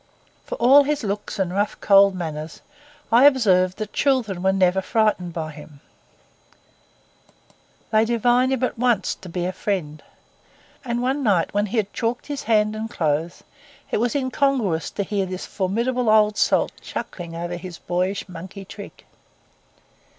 For all his looks and rough, cold manners, I observed that children were never frightened by him; they divined him at once to be a friend; and one night when he had chalked his hand and clothes, it was incongruous to hear this formidable old salt chuckling over his boyish monkey trick.